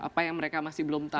apa yang mereka masih belum tahu